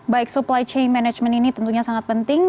baik supply chain management ini tentunya sangat penting